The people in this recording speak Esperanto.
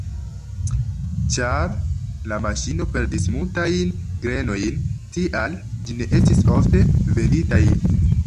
Ĉar la maŝino perdis multajn grenojn, tial ĝi ne estis ofte venditaj.